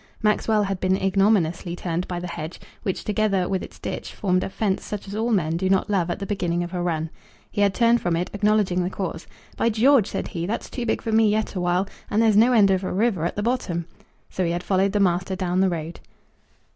Maxwell had been ignominiously turned by the hedge, which, together with its ditch, formed a fence such as all men do not love at the beginning of a run. He had turned from it, acknowledging the cause. "By George!" said he, "that's too big for me yet awhile; and there's no end of a river at the bottom." So he had followed the master down the road.